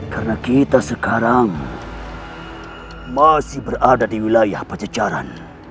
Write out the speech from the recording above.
karena kita sekarang masih berada di wilayah pecejaran